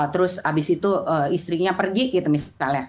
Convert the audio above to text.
terus habis itu istrinya pergi gitu misalnya